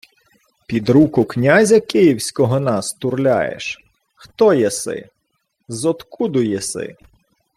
— Під руку князя київського нас турляєш? Хто єси? Зодкуду єси?.